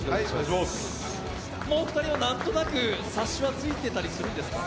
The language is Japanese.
もうお二人はなんとなく、察しはついていたりするんですか？